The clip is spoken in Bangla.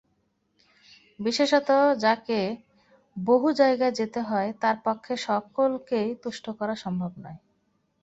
বিশেষত যাকে বহু জায়গায় যেতে হয়, তার পক্ষে সকলকে তুষ্ট করা সম্ভব নয়।